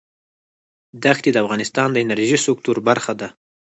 دښتې د افغانستان د انرژۍ سکتور برخه ده.